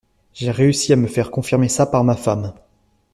J’ai réussi à me faire confirmer ça par sa femme.